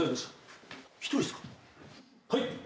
はい？